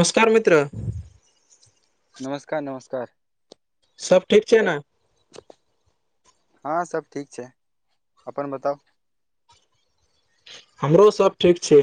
नमस्कार मित्र नमस्कार-नमस्कार सब ठीक छै ने हँ सब ठीक छै अपन बताउ हमरो सब ठीक छै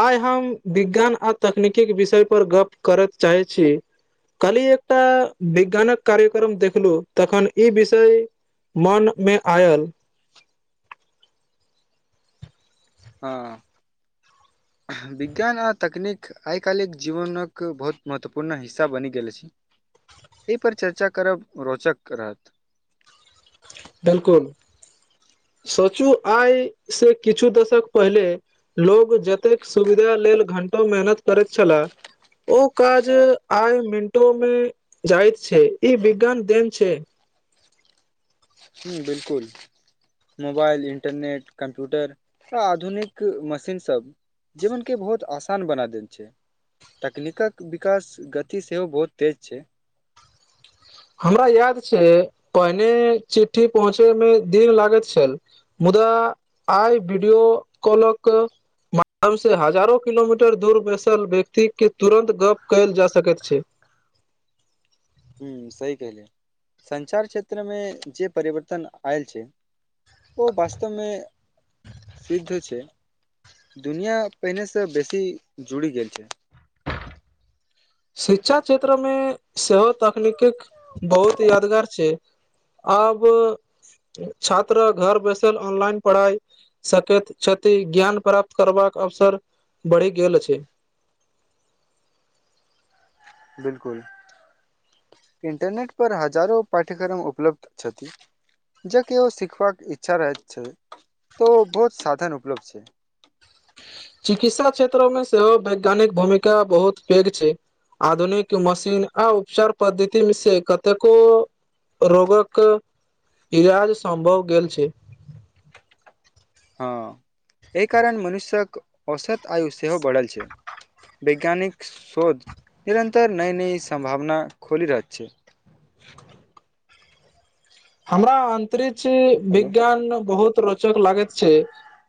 आइ हम विज्ञान आ तकनीकी के विषय पर गप करत चाहै छी कल्हि एकटा विज्ञानक कार्यक्रम देखलु तखन ई विषय मन में आयल हँ [unintelligible] विज्ञान आ तकनीक आइ काल्हक जीवनक बहुत महत्वपूर्ण हिस्सा बनि गेल अछि एहि पर चर्चा करब रोचक रहत बिल्कुल सोचू आय से किछु दशक पहिले लोग जतेक सुविधा लेल घंटो मेहनत करैत छलाह ओ काज आइ मिनटों में जाइत छै ई विज्ञान देन छै हूं बिल्कुल मोबाइल इंटरनेट कम्प्यूटर आ आधुनिक मशीन सब जीवन के बहुत आसान बना देल छै तकनीकक विकास गति सेहो बहुत तेज छै हमरा याद छै पहिने चिटठ्ठी पहुँचे में दिन लागैत छल मुद्दा आइ वीडियो कॉलक माध्यमसँ हजारो किलोमीटर दूर बैसल व्यक्ति के तुरन्त गप कयल जा सकैत छै हूं सही कहलिय संचार क्षेत्र में जे परिवर्तन आयल छै ओ वास्तव में प्रसिद्ध छै दुनियां पहिनेसँ बेसी जुड़ि गेल छै शिक्षा क्षेत्र में सेहो तकनीकक बहुत यादगार छै आब छात्रा घर बैसल ऑनलाइन पढ़ाई सकैत छथि ज्ञान प्राप्त करबाक अवसर बढ़ि गेल छथि बिल्कुल इंटरनेट पर हजारो पाठ्यक्रम उपलब्ध छथि जेके ओ सिखबाक इच्छा रहैत छै त ओ बहुत साधन उपलब्ध छै चिकित्सा क्षेत्रो में सेहो वैज्ञानिक भूमिका बहुत पैघ छै आधुनिक मशीन आ उपचार पद्धति में से कतेको रोगक इलाज सम्भव गेल छै हँ एहि कारण मनुष्यक औसत आयु सेहो बढ़ल छै वैज्ञानिक शोध निरन्तर नई नई सम्भावना खोलि रहल छै हमरा अंतरिक्ष हेलो विज्ञान बहुत रोचक लागैत छै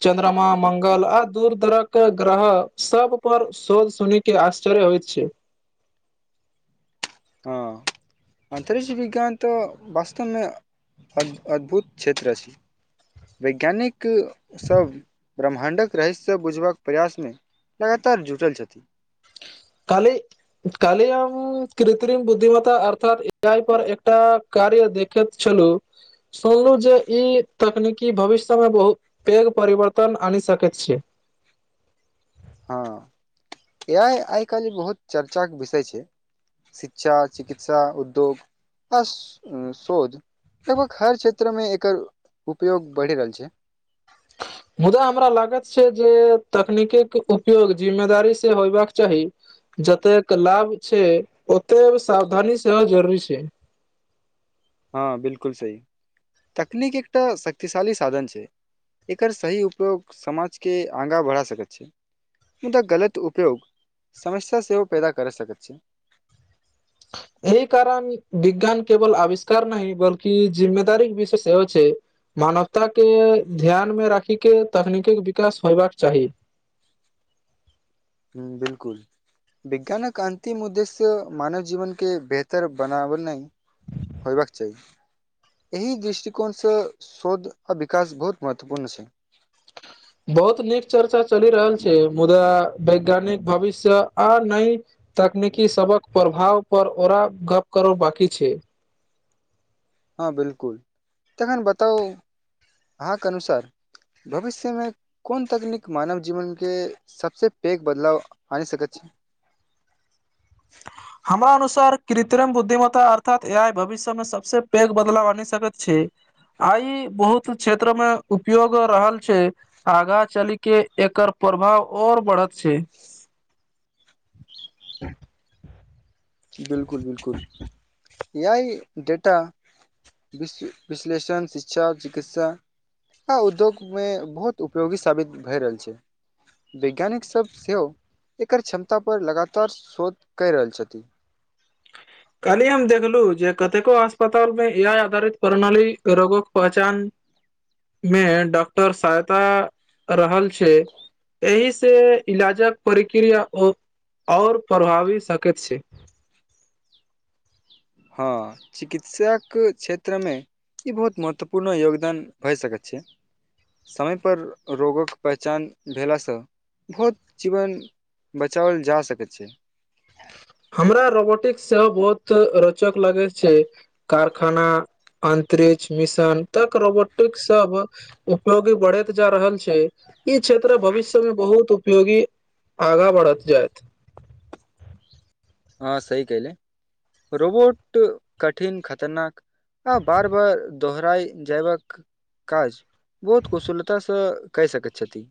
चन्द्रमा मंगल आ दूर दरक ग्रह सब पर शोध सुनि के आश्चर्य होइत छै हँ अंतरिक्ष विज्ञान तऽ वास्तव में अ अद्भुत क्षेत्र अछि वैज्ञानिक क सभ ब्रह्माण्डक रहस्य बुझबक प्रयास में लगातार जुटल छथि काल्हि काल्हि हम कृत्रिम बुद्धिमता अर्थात ए आइ पर एकटा कार्य देखैत छलू सुनलहु जे ई तकनीकी भविष्य मे बहुत पैघ परिवर्तन आनि सकैत छि हँ ए आइ आइ काल्ह जे बहुत चर्चाके विषय छै [inaudible] शिक्षा चिकित्सा उद्योग आ शोध लगभग हर क्षेत्रमे एकर उपयोग बढ़ि रहल छै मुद्दा हमरा लागत छै जे तकनीकक उपयोग जिम्मेदारी से होयबाक चाही जतेक के लाभ छै ओते सावधानी सेहो जरूरी छै हँ बिलकुल सही तकनीक एकटा शक्तिशाली साधन छै एकर सही उपयोग समाजके आगाँ बढ़ा सकै छै मुदा गलत उपयोग समस्या सेहो पैदा करऽ सकैत छै [inaudible] एहि कारण विज्ञान केवल आविष्कार नहि बलकि जिम्मेदारी विषे सेहो छै मानवता के ध्यान मे राखी के तकनीकी विकास होयबाक चाही बिलकुल विज्ञानक अन्तिम उद्देश्य मानव जीवनके बेहतर बनाबनै होयबाक चाही एहि दृष्टिकोण से शोध आ विकास बहुत महत्वपूर्ण छै बहुत नीक चर्चा चलि रहल छै मुदा वैज्ञानिक भविष्य आ नै तकनीकी सबक प्रभाव पर ओरा गप कर बाकी छै हँ बिलकुल तखन बताउ अहाँके अनुसार भविष्यमे कोन तकनीक मानव जीवनके सबसँ पैघ बदलाव आन सकैत छै [inaudible] हमरा अनुसार कृत्रिम बुद्धिमत्ता अर्थात ए आइ भविष्य मे सबस पैघ बदलाव आनि सकैत छै आई बहुत क्षेत्र में उपयोग रहल छै आगा चली के एकर प्रभाव अओर बढ़त छै [unintelligible] बिलकुल बिलकुल ए आइ डेटा विश विश्लेषण शिक्षा चिकित्सा ह उद्योग मे बहुत उपयोगी साबित भए रहल छै वैज्ञानिक सब सेहो एकर क्षमता पर लगातार शोध कैर रहल छथि काली हम देखलू जे कतेको अस्पताल मे एआई आधारित प्रणाली रोगक पहचान मे डॉक्टर सहायता रहल छै एहि से इलाजक प्रक्रिया ओर प्रभावी सकैत छै हँ चिकित्साके क्षेत्रमे ई बहुत महत्वपूर्ण योगदान भए सकैत छै समयपर रोगक पेहचान भेलासँ बहुत जीवन बचाओल जा सकैत छै हमरा रोबोटिक्स सेहो बहुत रोचक लगैत छै कारखाना अंतरिक्ष मिशन तक रोबोटिक सब उपयोगी बढ़ैत जा रहल छै ई क्षेत्र भविष्य में बहुत उपयोगी आगा बढ़त जैत हँ सही कहि ले रोबोट कठिन खतरनाक आ बार बार दोहड़ाइ जैवक काज बहुत कुशलतासँ कै सकैत छथि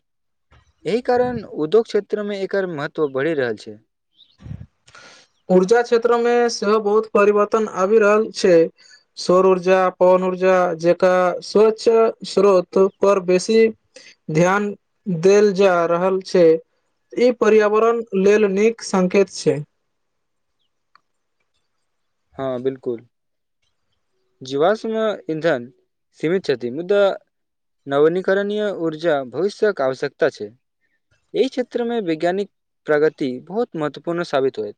एहि कारण उद्योग क्षेत्र में एकर महत्व बैरही रहल छै ऊर्जा क्षेत्र में सेहो बहुत परिवर्तन आबि रहल छै सौर ऊर्जा पवन ऊर्जा जेका स्व्च स्रोत पर बेसी ध्यान देल जा रहल छै ई पर्यावरण लेल नीक संकेत छै हँ बिल्कुल जीवाश्म [unintelligible] इन्धन सीमे छति मुदा नवीनीकरणय ऊर्जा भविष्य्यक आवश्यकता छै एहि क्षेत्रमे वैज्ञानिक प्रगति बहुत महत्वपूर्ण साबित होयत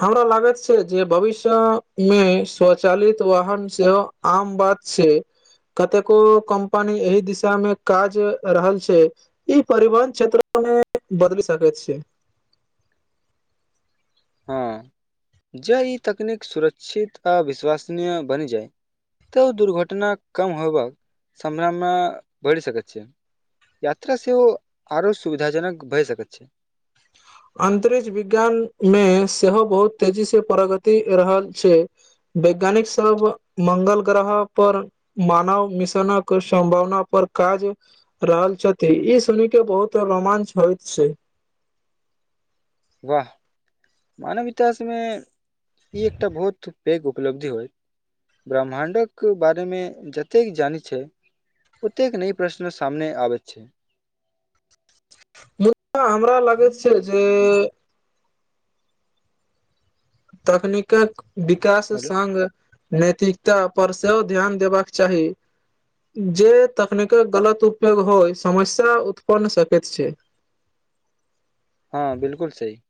हमरा लागत छै जे भविष्य मे स्वचालित वाहन सेवा आम बात छै कतेको कम्पनी एहि दिशा मे काज रहल छै ई परिवहन क्षेत्रमे बदल सकेत छै हँ जे ई तकनीक सुरक्षित आ विश्वसनीय बनि जाय तऽ दुर्घटना कम होयबाक सम्भावना बढ़ि सकैत छै यात्रा सेहो आरो सुविधाजनक भए सकैत छै अन्तरिक्ष विज्ञान मे सेहो बहुत तेजी से प्रगति रहल छै वैज्ञानिक सब मंगल ग्रह पर मानव मिशनक सम्भावना पर काज रहल छथि ई सुनि के बहुत रोमांच होइत छै वाह मानवता इसमे ई एकटा भुत पैघ उपलब्धि होइ ब्रह्माण्डक बारेमे जतेक जानै छै ओतेक नई प्रश्न सामने आबैत छै मुआ हमरा लगैत छै जे तकनीकक विकास हेलो संग नैतिकता पर सेहो ध्यान देबाक चाही जे तकनीकक गलत उपयोग होइ समस्या उत्पन्न सकैत छै हँ बिल्कुल सही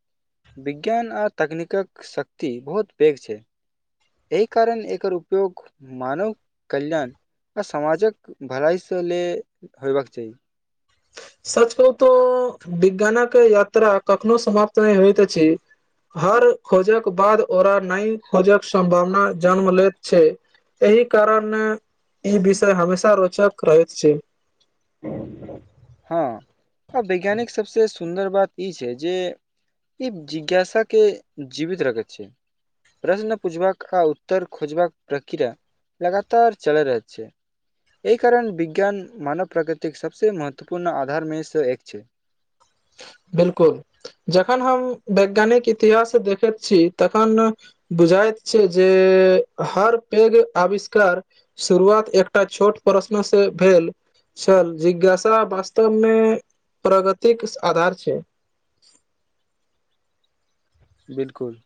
विज्ञान आ तकनीकक शक्ति बहुत पैघ छै एहि कारण एकर उपयोग मानव कल्याण आ समाजक भलाय स ले होबाक चाही सच कहू तो विज्ञानक यात्रा कखनो समाप्त नै होइत अछि हर खोजक बाद ओरा नई खोजक सम्भावना जन्म लेैत छै एहि कारण इ विषय हमेशा रोचक रहैत छै हँ वैज्ञानिक सबसे सु सुन्दर बात ई छै जे ई जिज्ञासा के जीवित रखै छै प्रश्न पुछबाक आ उत्तर खोजबाक प्रक्रिया लगातार चल रहत छै एहि कारण विज्ञान मानव प्राकृतिक सबसँ महत्व महत्पूर्ण आधार मे स एक छै बिल्कुल जखन हम वैज्ञानिक इतिहास देखैत छी तखन बुझायत छै जे हर पेघ आविष्कार शुरुआत एकटा छोट प्रश्नसे भेल छल जिज्ञासा वास्तवमे प्रगतिक आधार छै बिल्कुल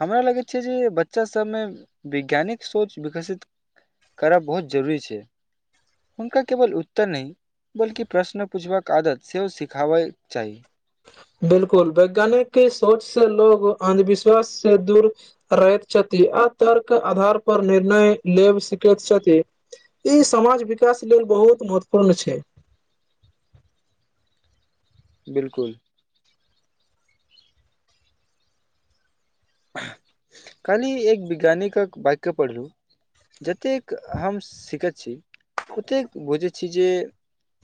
हमरा लगैत छै जे बच्चासबमे वैज्ञानिक सोच विकसित करब बहुत जरूरी छै हुनका केवल उत्तर नहि बल्कि प्रश्न पूछबाक आदत सेहो सिखाबय चाही बिल्कुल वैज्ञानिक के सोच स लोग अन्धविश्वास से दूर रहैत छथि आ तर्क आधार पर निर्णय लेब सिकैत छथि ई समाज विकास लेल बहुत महत्वपूर्ण छै बिल्कुल कनि एक विज्ञानिक वक्य पढ़लु जतेक हम सिखैत छी ओतेक बुझै छी ई जे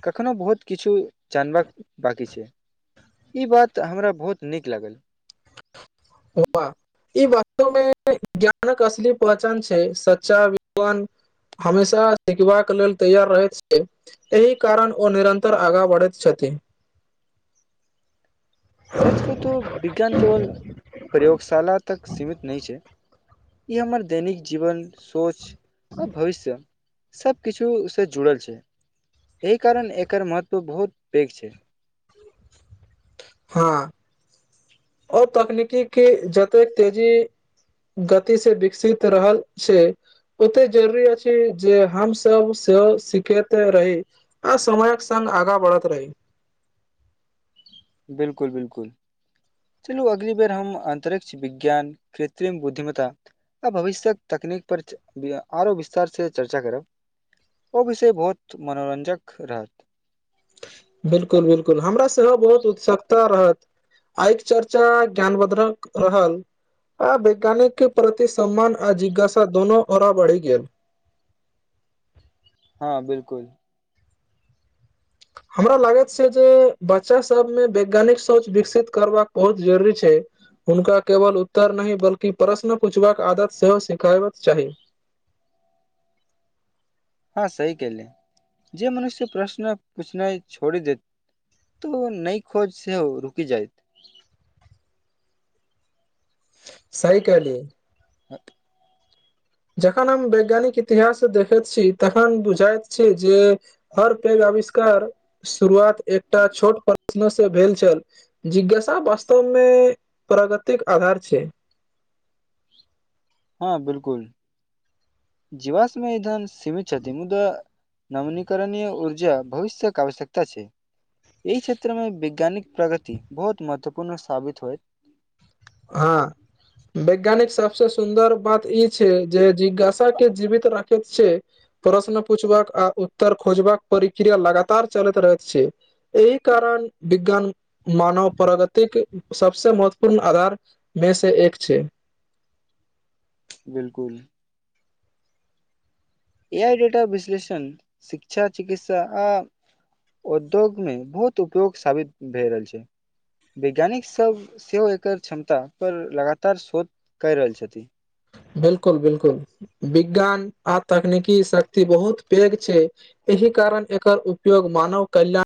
कखनो बहुत किछु जानबाक बाकी छै ई बात हमरा बहुत नीक लागल [inaudible] वाह [inaudible] ई वास्तव मे ज्ञानक असली पहचान छै सच्चा विद्वान हमेशा सिखबाक लेल तैयार रहैत छियै एहि कारण ओ निरन्तर आगाँ बढ़ैत छथि [inaudible] सच कहु तो विज्ञान केवल प्रयोगशाला तक सीमित नहि छैय ई हमर दैनिक जीवन सोच आओ भविष्य सब किछुसँ जुड़ल छैय एहि कारण एकर महत्व बहुत पैघ छैय हाँ ओ तकनीकी की जतेक तेजी गति से विकसित रहल छैय ओते जरुरी अछि जे हमस सेहो सिखते रही आ समयक संग आगा बढ़ैत रही बिल्कुल बिल्कुल चलू अगली बेर हम अन्तरिक्ष विज्ञान कृर्तिम बुद्धिम्ता आ भविष्यक तकनीक पर आरो विस्तार से चर्चा करब ओ विषय बहुत मनोरंञ्जक रहत बिलकुल बिलकुल हमराँ सेहो बहुत उत्सुकता रहत आइ के चर्चा ज्ञानबद्रक रहल आ वैज्ञानिक के प्रति सम्मान आ जिज्ञासा दोनो औरा बढ़ि गेल हाँ बिलकुल हमरा लागैत छैय जेय बच्चा सबमे वैज्ञानिक सोच विकसित करबाक बहुत जरुरी छैय हुनका केवल उत्तर नहि बल्कि प्रश्न पूछबाक आदत सेहो सिखाब चाही हाँ सही केल्हि जे मनुष्य प्रश्न पूछनाइ छोड़ी देत तो नइ खोज से हो रुकि जायत सही कहलिय ह [inaudible] जखन हम वैज्ञानिक इतिहास देखै छी तन बुझाइ छैय जेय हर पैघ आविष्कार शुरुआत एकटा छोट प्र शन से भेल छल जिज्ञासा वास्तव मे प्रगतिक आधार छैय हाँ बिलकुल जीवाशमेय इधन सीमित छथिन मुद्दा नवीनीकरणय ऊर्जा भविष्य्यक आवश्यकता छैय ई क्षेत्र में वैज्ञानिक प्रगति बहुत महत्वपूर्ण साबित होयत हाँ वैज्ञानिक सबसऽ सुन्दर बात ई छैय जे जिज्ञासा के जीवित राखैत छैय प्रश्न पूछबाक आ उत्तर खोजबाक प्रक्रिया लगातार चलैत रहैत छैय एहि कारण विज्ञान मानव प्रगतिक सबसे महत्वपूर्ण आधार में सँ एक छैय बिलकुल ए आइ डेटा विश्लेषण शिक्षा चिकित्सा आ उद्योग मे बहुत उपयोग साबित भए रहल छैय वैज्ञानिक सब सेहो एकर क्षमता पर लगातार शोध क रहल छथिन बिलकुल बिलकुल विज्ञान आ तकनिकी शक्ति बहुत पेघ छैय एहि कारण एकर उपयोग मानव कल्यण